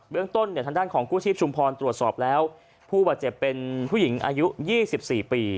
เรื่องต้นเนี่ยทางด้านของกู้ชีพชุมพรตรวจสอบแล้วผู้บาดเจ็บเป็นผู้หญิงอายุ๒๔ปี